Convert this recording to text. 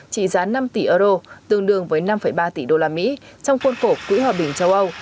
chỉ giá năm tỷ euro tương đương với năm ba tỷ usd trong quân cổ quỹ hòa bình châu âu